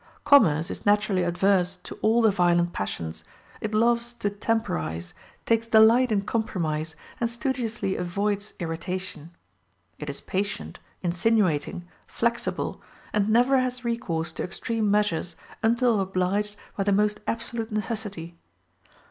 Commerce is naturally adverse to all the violent passions; it loves to temporize, takes delight in compromise, and studiously avoids irritation. It is patient, insinuating, flexible, and never has recourse to extreme measures until obliged by the most absolute necessity.